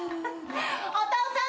お父さん。